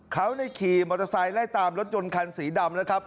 เขาขี่มอเตอร์ไซค์ไล่ตามรถยนต์คันสีดำนะครับ